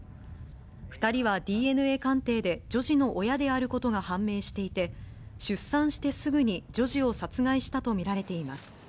２人はＤＮＡ鑑定で女児の親であることが判明していて、出産してすぐに女児を殺害したと見られています。